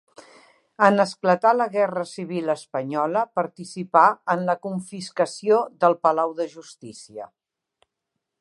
En esclatar la guerra civil espanyola, participà en la confiscació del Palau de Justícia.